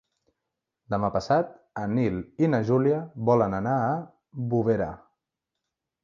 Demà passat en Nil i na Júlia volen anar a Bovera.